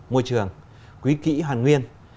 môi trường quý kỹ hoàn nguyên